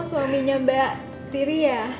oh suaminya mbak riri ya